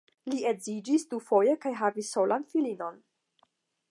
Li edziĝis dufoje kaj havis solan filinon.